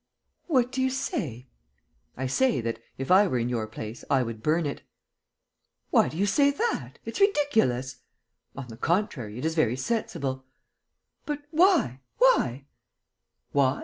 "What do you say?" "I say that, if I were in your place, I would burn it." "Why do you say that? It's ridiculous!" "On the contrary, it is very sensible." "But why? Why?" "Why?